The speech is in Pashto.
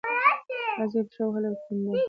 لا یې پښه وهله او یې کیندله.